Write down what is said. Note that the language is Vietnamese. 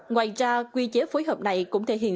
ngoài ra quy chế phối hợp này cũng thể hiện